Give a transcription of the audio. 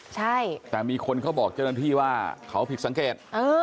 ใช่แต่มีคนเขาบอกเจ้าหน้าที่ว่าเขาผิดสังเกต